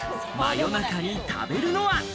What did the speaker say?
夜中に食べるのは？